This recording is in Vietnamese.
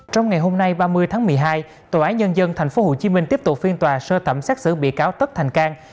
trong ngày hôm nay ba mươi tháng một mươi hai tòa án nhân dân tp hcm tiếp tục phiên tòa sơ thẩm xét xử bị cáo tất thành cang